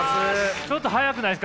ちょっと早くないですか？